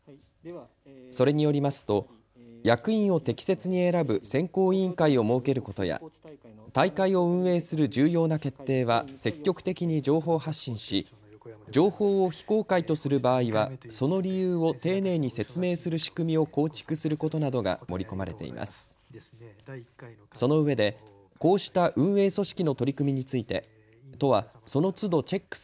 それによりますと、役員を適切に選ぶ選考委員会を設けることや大会を運営する重要な決定は積極的に情報発信し情報を非公開とする場合はその理由を丁寧に説明する仕組みを構築することなどが盛り込まれています。